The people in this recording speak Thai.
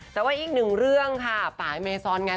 แต่ว่าอีกหนึ่งเรื่องค่ะฝ่าออเล็กซ์เซริเนลไง